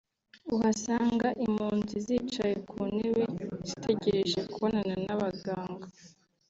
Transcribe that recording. uhasanga impunzi zicaye ku ntebe zitegereje kubonana n’abaganga